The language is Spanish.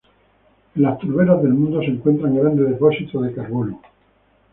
En las turberas del mundo se encuentran grandes depósitos de carbono.